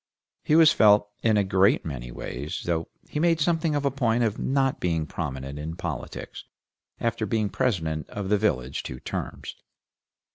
He was felt in a great many ways, though he made something of a point of not being prominent in politics, after being president of the village two terms.